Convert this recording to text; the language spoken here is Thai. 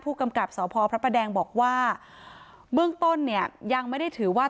กับสพพระประแดงบอกว่าเบื้องต้นเนี่ยยังไม่ได้ถือว่า